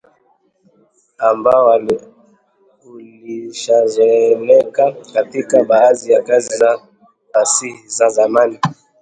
ambao ulishazoeleka katika baadhi ya kazi za fasihi za zamani